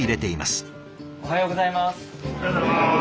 おはようございます。